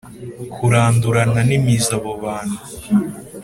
kurandurana n imizi abo bantu